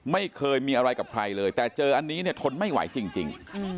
ไม่เคยมีอะไรกับใครเลยแต่เจออันนี้เนี่ยทนไม่ไหวจริง